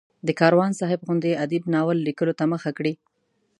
د کاروان صاحب غوندې ادیب ناول لیکلو ته مخه کړي.